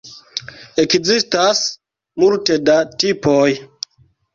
Ekzistas multe da tipoj.